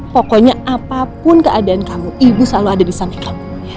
pokoknya apapun keadaan kamu ibu selalu ada di samping kamu